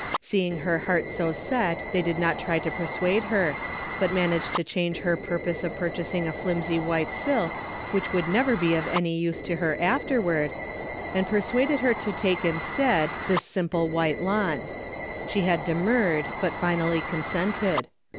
Seeing her heart so set they did not try to persuade her, but managed to change her purpose of pur chasing a flimsy white silk which would never be of any use to her afterward, and persuaded her to take instead this simple white lawn. She had demurred, but finally consented.